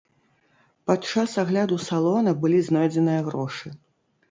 Падчас агляду салона былі знойдзеныя грошы.